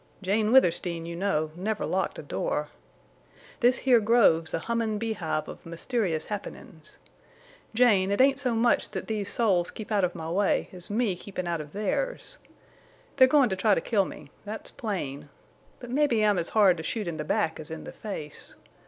Jane Withersteen, you know, never locked a door! This here grove's a hummin' bee hive of mysterious happenin's. Jane, it ain't so much that these spies keep out of my way as me keepin' out of theirs. They're goin' to try to kill me. That's plain. But mebbe I'm as hard to shoot in the back as in the face.